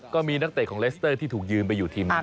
ก็มีนักเตะของเลสเตอร์ที่ถูกยืมไปอยู่ทีมหนึ่ง